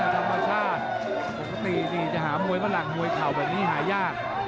ธรรมชาติปกตินี่จะหามวยฝรั่งมวยเข่าแบบนี้หายาก